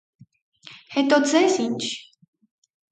- Հետո ձե՞զ ինչ: